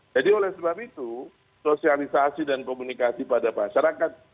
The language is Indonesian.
jadi oleh sebab itu sosialisasi dan komunikasi pada masyarakat